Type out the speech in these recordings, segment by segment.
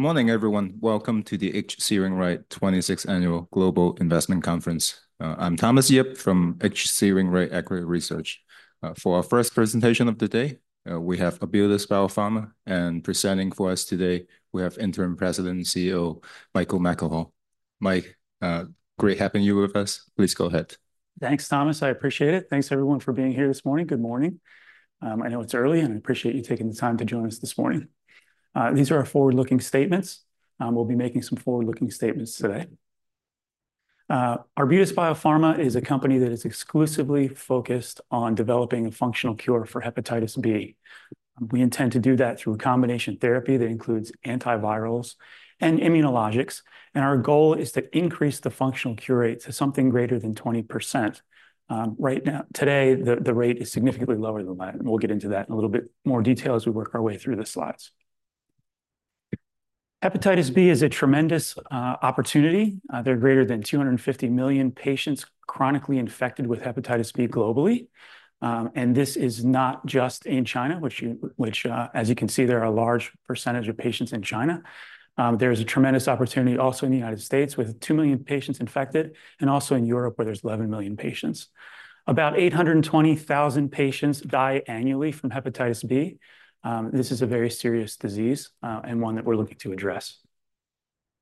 Morning, everyone. Welcome to the H.C. Wainwright 26th Annual Global Investment Conference. I'm Thomas Yip from H.C. Wainwright Equity Research. For our first presentation of the day, we have Arbutus Biopharma, and presenting for us today, we have Interim President and CEO, Michael McElhaugh. Mike, great having you with us. Please go ahead. Thanks, Thomas. I appreciate it. Thanks, everyone, for being here this morning. Good morning. I know it's early, and I appreciate you taking the time to join us this morning. These are our forward-looking statements. We'll be making some forward-looking statements today. Arbutus Biopharma is a company that is exclusively focused on developing a functional cure for hepatitis B. We intend to do that through a combination therapy that includes antivirals and immunologics, and our goal is to increase the functional cure rate to something greater than 20%. Right now, today, the rate is significantly lower than that, and we'll get into that in a little bit more detail as we work our way through the slides. Hepatitis B is a tremendous opportunity. There are greater than 250 million patients chronically infected with hepatitis B globally. And this is not just in China, which as you can see, there are a large percentage of patients in China. There is a tremendous opportunity also in the United States, with two million patients infected, and also in Europe, where there's 11 million patients. About 820,000 patients die annually from Hepatitis B. This is a very serious disease, and one that we're looking to address.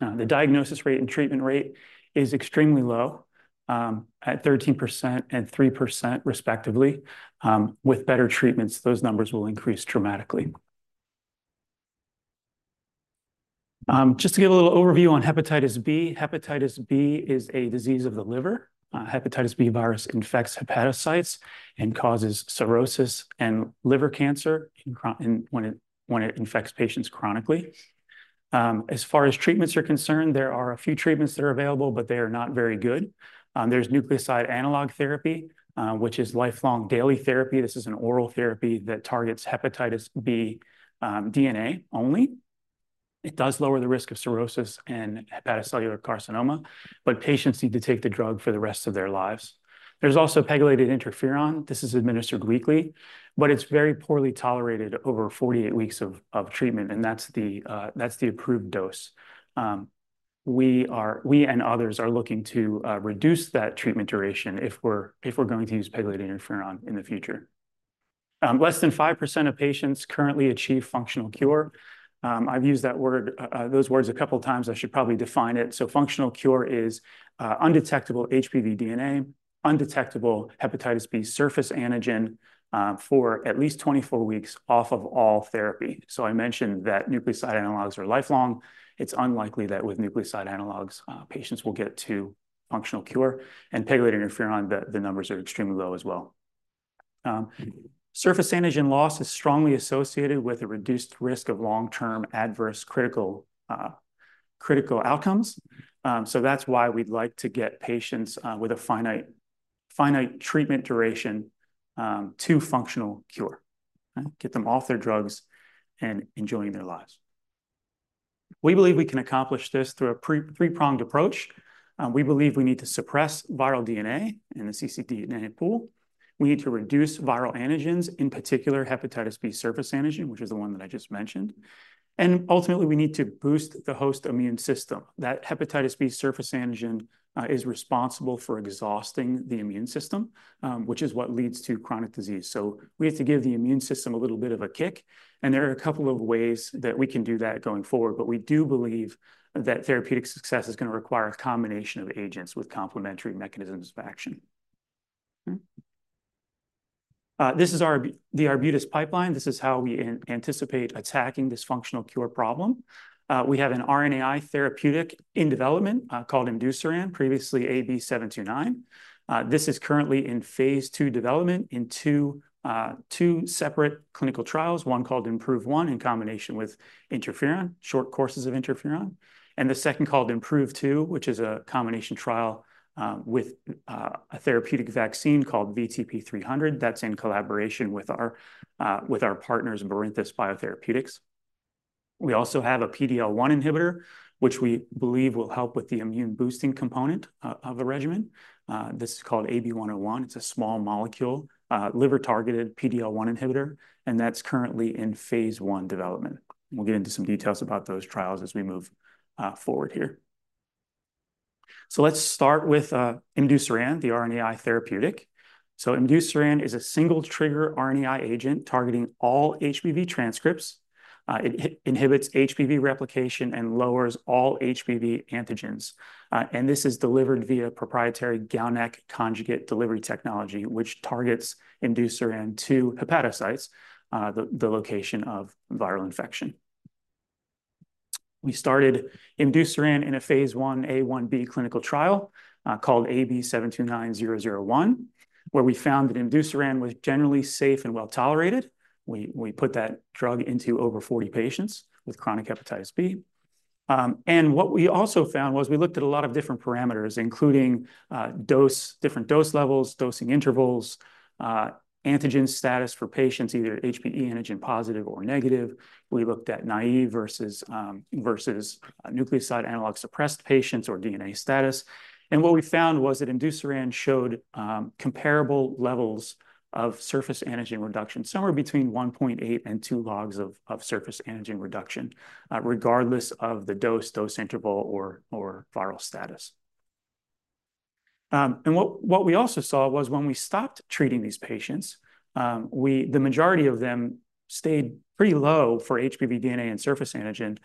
The diagnosis rate and treatment rate is extremely low, at 13% and 3%, respectively. With better treatments, those numbers will increase dramatically. Just to give a little overview on Hepatitis B, Hepatitis B is a disease of the liver. Hepatitis B virus infects hepatocytes and causes cirrhosis and liver cancer when it infects patients chronically. As far as treatments are concerned, there are a few treatments that are available, but they are not very good. There's nucleoside analog therapy, which is lifelong daily therapy. This is an oral therapy that targets hepatitis B DNA only. It does lower the risk of cirrhosis and hepatocellular carcinoma, but patients need to take the drug for the rest of their lives. There's also pegylated interferon. This is administered weekly, but it's very poorly tolerated over 48 weeks of treatment, and that's the approved dose. We and others are looking to reduce that treatment duration if we're going to use pegylated interferon in the future. Less than 5% of patients currently achieve functional cure. I've used that word, those words a couple of times. I should probably define it. So functional cure is undetectable HBV DNA, undetectable hepatitis B surface antigen for at least 24 weeks off of all therapy. So I mentioned that nucleoside analogs are lifelong. It's unlikely that with nucleoside analogs patients will get to functional cure. And pegylated interferon, the numbers are extremely low as well. Surface antigen loss is strongly associated with a reduced risk of long-term adverse critical outcomes. So that's why we'd like to get patients with a finite treatment duration to functional cure. Get them off their drugs and enjoying their lives. We believe we can accomplish this through a three-pronged approach. We believe we need to suppress viral DNA in the cccDNA pool. We need to reduce viral antigens, in particular, hepatitis B surface antigen, which is the one that I just mentioned. Ultimately, we need to boost the host immune system. That hepatitis B surface antigen is responsible for exhausting the immune system, which is what leads to chronic disease. We have to give the immune system a little bit of a kick, and there are a couple of ways that we can do that going forward. We do believe that therapeutic success is gonna require a combination of agents with complementary mechanisms of action. This is the Arbutus pipeline. This is how we anticipate attacking this functional cure problem. We have an RNAi therapeutic in development called Imdusiran, previously AB-729. This is currently in phase II development in two separate clinical trials, one called IM-PROVE I, in combination with interferon, short courses of interferon, and the second called IM-PROVE II, which is a combination trial with a therapeutic vaccine called VTP-300. That's in collaboration with our partners, Barinthus Biotherapeutics. We also have a PD-L1 inhibitor, which we believe will help with the immune-boosting component of the regimen. This is called AB-101. It's a small-molecule, liver-targeted PD-L1 inhibitor, and that's currently in phase I development. We'll get into some details about those trials as we move forward here. Let's start with Imdusiran, the RNAi therapeutic. Imdusiran is a single-trigger RNAi agent targeting all HBV transcripts. It inhibits HBV replication and lowers all HBV antigens. And this is delivered via proprietary GalNAc conjugate delivery technology, which targets Imdusiran to hepatocytes, the location of viral infection. We started Imdusiran in a phase 1a/1b clinical trial called AB-729-001, where we found that Imdusiran was generally safe and well tolerated. We put that drug into over 40 patients with chronic hepatitis B. And what we also found was we looked at a lot of different parameters, including dose, different dose levels, dosing intervals, antigen status for patients, either HBe antigen positive or negative. We looked at naive versus nucleoside analog-suppressed patients or DNA status. And what we found was that Imdusiran showed comparable levels of surface antigen reduction, somewhere between one point eight and two logs of surface antigen reduction, regardless of the dose, dose interval, or viral status. And what we also saw was when we stopped treating these patients, the majority of them stayed pretty low for HBV DNA and surface antigen,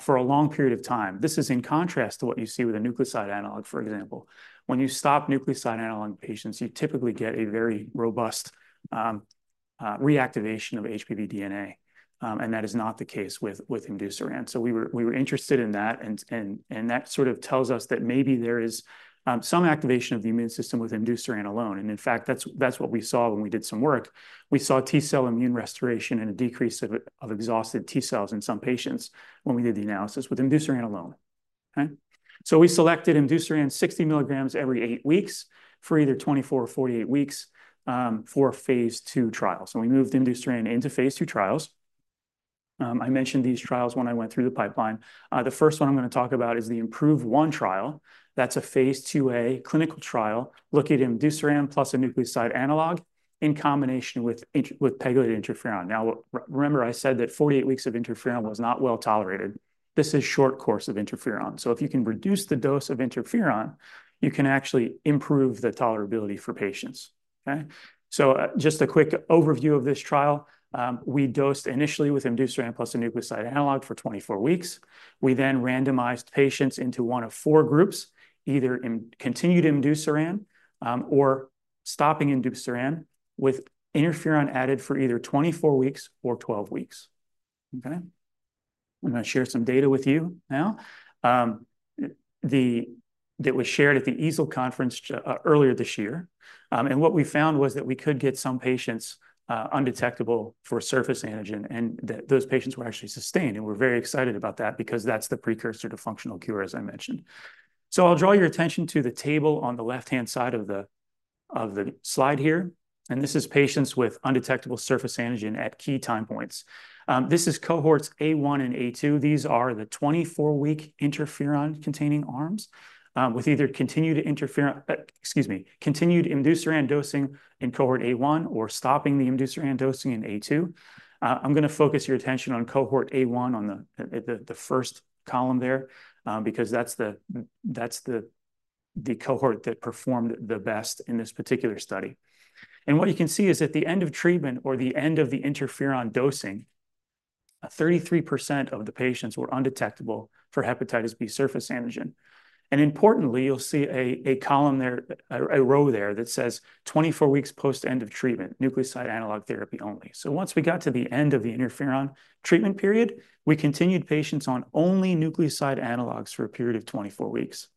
for a long period of time. This is in contrast to what you see with a nucleoside analog, for example. When you stop nucleoside analog in patients, you typically get a very robust reactivation of HBV DNA, and that is not the case with, with Imdusiran. So we were interested in that, and that sort of tells us that maybe there is some activation of the immune system with Imdusiran alone. And in fact, that's what we saw when we did some work. We saw T-cell immune restoration and a decrease of exhausted T-cells in some patients when we did the analysis with Imdusiran alone. Okay? So we selected imdusiran 60 milligrams every eight weeks for either 24 or 48 weeks, for a phase II trial. So we moved imdusiran into phase II trials. I mentioned these trials when I went through the pipeline. The first one I'm gonna talk about is the IM-PROVE I trial. That's a phase IIa clinical trial, looking at imdusiran plus a nucleoside analog in combination with pegylated interferon. Now, remember I said that 48 weeks of interferon was not well tolerated. This is short course of interferon. So if you can reduce the dose of interferon, you can actually improve the tolerability for patients, okay? So, just a quick overview of this trial. We dosed initially with imdusiran plus a nucleoside analog for 24 weeks. We then randomized patients into one of four groups, either in continued imdusiran, or stopping imdusiran, with interferon added for either twenty-four weeks or twelve weeks, okay? I'm gonna share some data with you now. That was shared at the EASL conference earlier this year, and what we found was that we could get some patients undetectable for surface antigen, and that those patients were actually sustained, and we're very excited about that because that's the precursor to functional cure, as I mentioned. So I'll draw your attention to the table on the left-hand side of the slide here, and this is patients with undetectable surface antigen at key time points. This is cohorts A1 and A2. These are the 24-week interferon-containing arms, with either continued Imdusiran dosing in cohort A1 or stopping the Imdusiran dosing in A2. I'm gonna focus your attention on cohort A1 on the first column there, because that's the cohort that performed the best in this particular study. What you can see is at the end of treatment or the end of the interferon dosing, 33% of the patients were undetectable for hepatitis B surface antigen. Importantly, you'll see a column there, a row there that says: "24 weeks post-end of treatment, nucleoside analog therapy only." So once we got to the end of the interferon treatment period, we continued patients on only nucleoside analogs for a period of 24 weeks.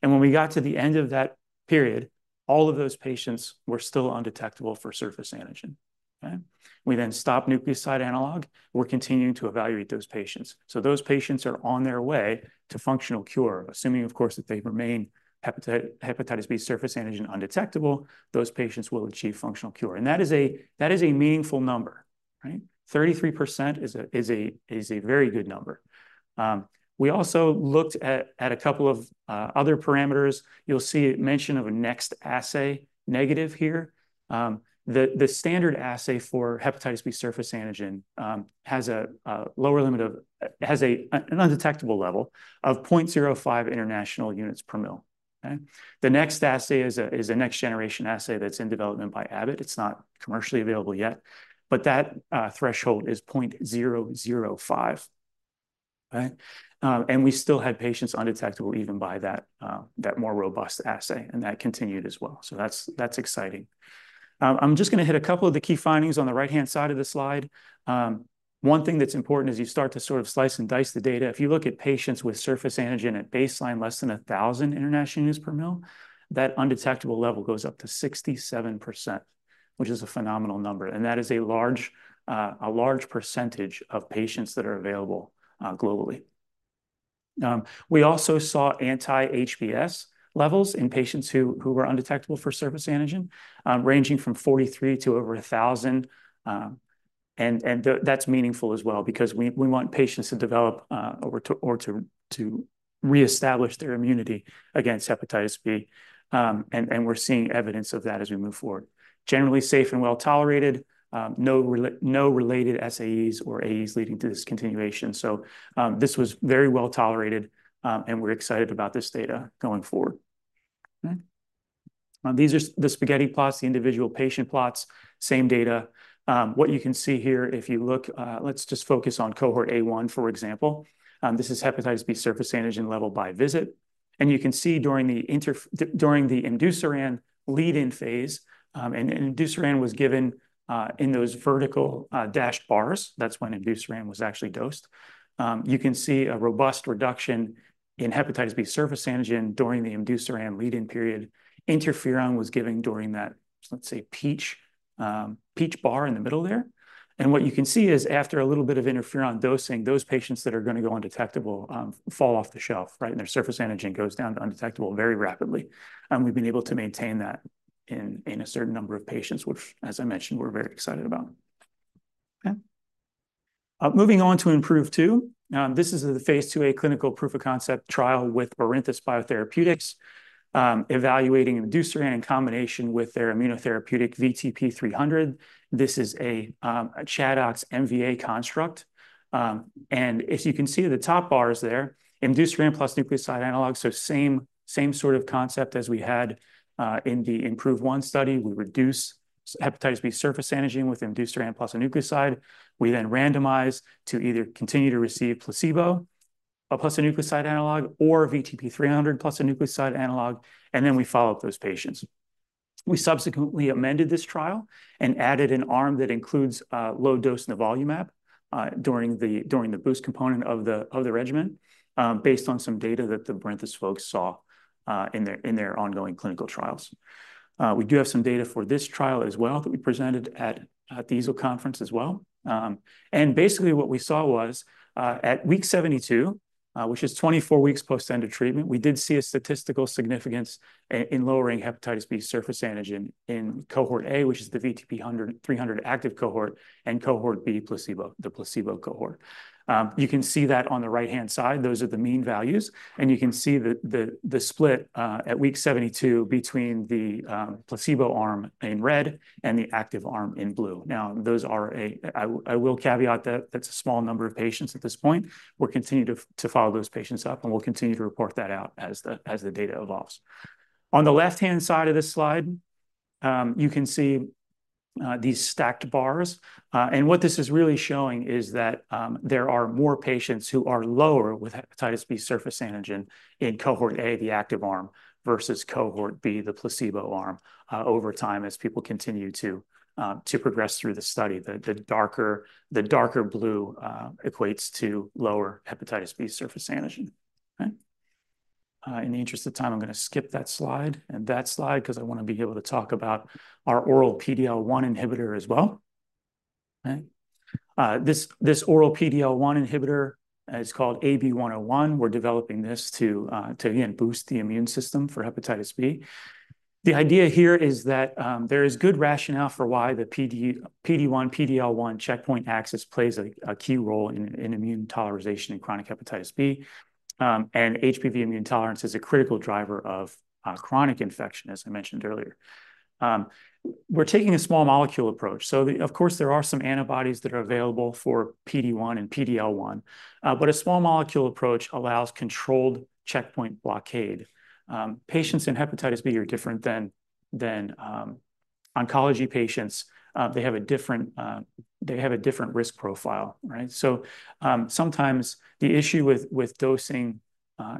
When we got to the end of that period, all of those patients were still undetectable for surface antigen, okay? We then stopped nucleoside analog. We're continuing to evaluate those patients. Those patients are on their way to functional cure, assuming, of course, that they remain hepatitis B surface antigen undetectable. Those patients will achieve functional cure. That is a meaningful number, right? 33% is a very good number. We also looked at a couple of other parameters. You'll see a mention of a Next Assay negative here. The standard assay for hepatitis B surface antigen has an undetectable level of 0.05 international units per ml, okay? The Next Assay is a next-generation assay that's in development by Abbott. It's not commercially available yet, but that, threshold is 0.005, right? and we still had patients undetectable even by that, that more robust assay, and that continued as well, so that's, that's exciting. I'm just gonna hit a couple of the key findings on the right-hand side of the slide. One thing that's important as you start to sort of slice and dice the data, if you look at patients with surface antigen at baseline less than 1000 international units per ml, that undetectable level goes up to 67%, which is a phenomenal number, and that is a large, a large percentage of patients that are available, globally. We also saw anti-HBs levels in patients who were undetectable for surface antigen, ranging from 43 to over 1,000, and that's meaningful as well because we want patients to develop or to reestablish their immunity against hepatitis B. And we're seeing evidence of that as we move forward. Generally safe and well-tolerated, no related SAEs or AEs leading to discontinuation. So, this was very well tolerated, and we're excited about this data going forward. These are the spaghetti plots, the individual patient plots, same data. What you can see here, if you look, let's just focus on cohort A1, for example. This is hepatitis B surface antigen level by visit, and you can see during the imdusiran lead-in phase, and imdusiran was given in those vertical dashed bars. That's when imdusiran was actually dosed. You can see a robust reduction in hepatitis B surface antigen during the imdusiran lead-in period. Interferon was given during that, let's say, peach peach bar in the middle there. And what you can see is after a little bit of interferon dosing, those patients that are gonna go undetectable fall off the shelf, right? And their surface antigen goes down to undetectable very rapidly, and we've been able to maintain that in a certain number of patients, which, as I mentioned, we're very excited about. Okay? Moving on to IM-PROVE II. This is the Phase 2a clinical proof-of-concept trial with Barinthus Biotherapeutics, evaluating imdusiran in combination with their immunotherapeutic VTP-300. This is a ChAdOx-MVA construct. And as you can see, the top bars there, imdusiran plus nucleoside analog, so same sort of concept as we had in the IM-PROVE I study. We reduce hepatitis B surface antigen with imdusiran plus a nucleoside. We then randomize to either continue to receive placebo plus a nucleoside analog or VTP-300 plus a nucleoside analog, and then we follow up those patients. We subsequently amended this trial and added an arm that includes low dose Nivolumab during the boost component of the regimen, based on some data that the Barinthus folks saw in their ongoing clinical trials. We do have some data for this trial as well that we presented at the EASL conference as well. Basically, what we saw was at week 72, which is 24 weeks post end of treatment, we did see a statistical significance in lowering hepatitis B surface antigen in Cohort A, which is the VTP-300 active cohort, and Cohort B, the placebo cohort. You can see that on the right-hand side, those are the mean values, and you can see the split at week 72 between the placebo arm in red and the active arm in blue. Now, those are. I will caveat that that's a small number of patients at this point. We'll continue to follow those patients up, and we'll continue to report that out as the data evolves. On the left-hand side of this slide, you can see these stacked bars. And what this is really showing is that there are more patients who are lower with hepatitis B surface antigen in Cohort A, the active arm, versus Cohort B, the placebo arm, over time, as people continue to progress through the study. The darker blue equates to lower hepatitis B surface antigen. Okay? In the interest of time, I'm gonna skip that slide and that slide 'cause I wanna be able to talk about our oral PD-L1 inhibitor as well. Okay. This oral PD-L1 inhibitor is called AB-101. We're developing this to, again, boost the immune system for hepatitis B. The idea here is that there is good rationale for why the PD, PD-1, PD-L1 checkpoint axis plays a key role in immune tolerization in chronic hepatitis B. HBV immune tolerance is a critical driver of chronic infection, as I mentioned earlier. We're taking a small molecule approach. Of course, there are some antibodies that are available for PD-1 and PD-L1, but a small molecule approach allows controlled checkpoint blockade. Patients in hepatitis B are different than oncology patients. They have a different risk profile, right? Sometimes the issue with dosing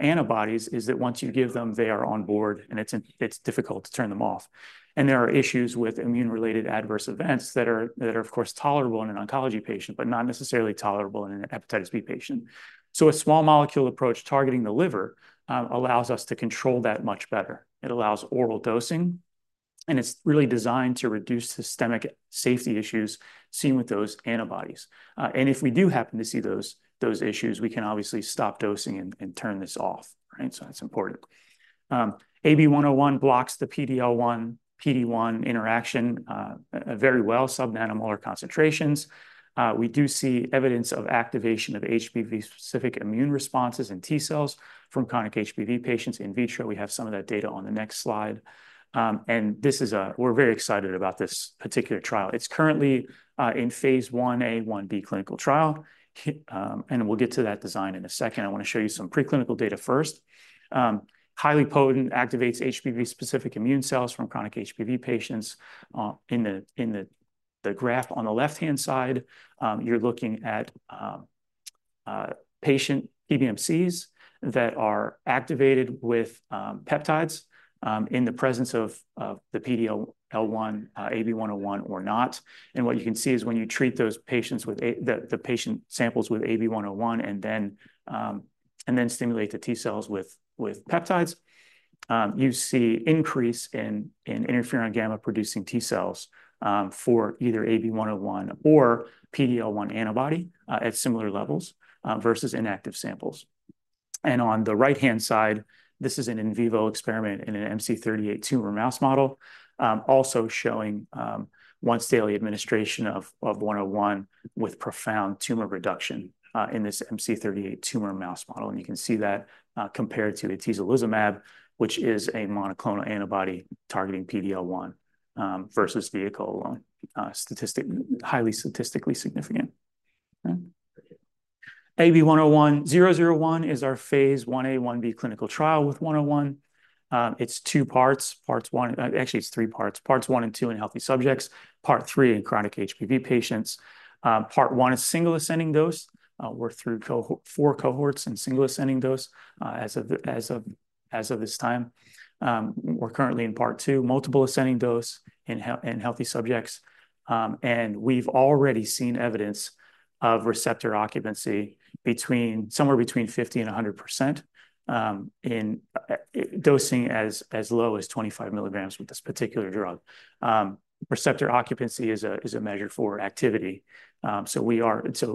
antibodies is that once you give them, they are on board, and it's difficult to turn them off. There are issues with immune-related adverse events that are, of course, tolerable in an oncology patient, but not necessarily tolerable in a hepatitis B patient. So a small molecule approach targeting the liver allows us to control that much better. It allows oral dosing, and it's really designed to reduce systemic safety issues seen with those antibodies. And if we do happen to see those issues, we can obviously stop dosing and turn this off, right? So that's important. AB-101 blocks the PD-L1, PD-1 interaction very well, sub-nanomolar concentrations. We do see evidence of activation of HBV-specific immune responses in T cells from chronic HBV patients in vitro. We have some of that data on the next slide. We're very excited about this particular trial. It's currently in phase 1a/1b clinical trial, and we'll get to that design in a second. I wanna show you some preclinical data first. Highly potent, activates HBV-specific immune cells from chronic HBV patients. In the graph on the left-hand side, you're looking at patient PBMCs that are activated with peptides in the presence of the PD-L1 AB-101 or not. And what you can see is when you treat those patients with the patient samples with AB-101, and then stimulate the T cells with peptides, you see increase in interferon-gamma-producing T cells for either AB-101 or PD-L1 antibody at similar levels versus inactive samples. On the right-hand side, this is an in vivo experiment in an MC38 tumor mouse model, also showing once-daily administration of 101 with profound tumor reduction in this MC38 tumor mouse model. You can see that, compared to the Atezolizumab, which is a monoclonal antibody targeting PD-L1, versus vehicle alone, highly statistically significant. Okay. AB-101-001 is our phase 1a/1b clinical trial with 101. It's two parts. Actually, it's three parts. Parts one and two in healthy subjects, part three in chronic HBV patients. Part one is single ascending dose. We're through four cohorts in single ascending dose, as of this time. We're currently in part two, multiple ascending dose in healthy subjects, and we've already seen evidence of receptor occupancy between 50 and 100%, in dosing as low as 25 milligrams with this particular drug. Receptor occupancy is a measure for activity. So we are